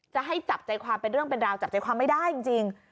จะให้จับใจความเป็นเรื่องเป็นราวจับใจความไม่ได้จริง